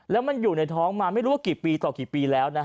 แล้วมันอยู่ในท้องมาไม่รู้ว่ากี่ปีต่อกี่ปีแล้วนะฮะ